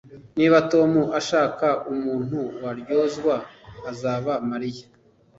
Niba Tom ashaka umuntu waryozwa azaba Mariya